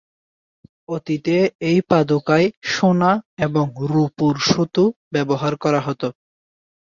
অতীতে এই পাদুকায় সোনা এবং রুপোর সুতো ব্যবহার করা হত।